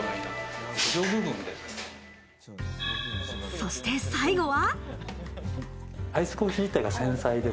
そして最後は。